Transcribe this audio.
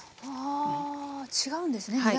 はあ違うんですね